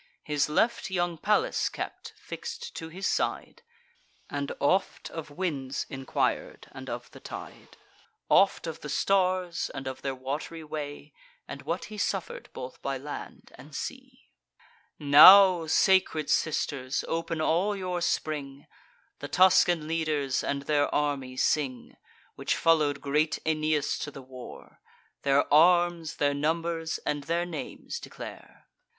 His left young Pallas kept, fix'd to his side, And oft of winds enquir'd, and of the tide; Oft of the stars, and of their wat'ry way; And what he suffer'd both by land and sea. Now, sacred sisters, open all your spring! The Tuscan leaders, and their army sing, Which follow'd great Aeneas to the war: Their arms, their numbers, and their names declare.